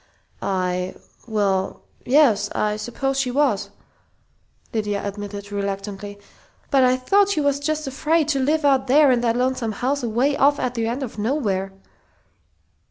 "I well, yes, I suppose she was," Lydia admitted reluctantly. "But I thought she was just afraid to live out there in that lonesome house away off at the end of nowhere."